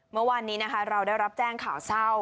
เมื่อวานนี้นะคะเราได้รับแจ้งข่าวเศร้า